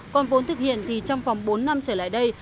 còn vốn thực hiện thì trong vòng bốn năm trở lại đây